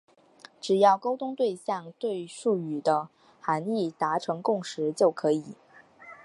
只要沟通对象对术语的含义达成共识就可以。